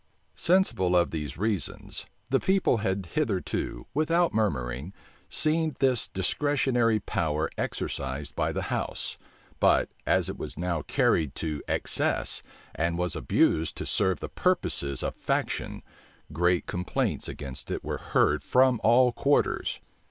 Sensible of these reasons, the people had hitherto, without murmuring, seen this discretionary power exercised by the house: but as it was now carried to excess, and was abused to serve the purposes of faction, great complaints against it were heard from all quarters.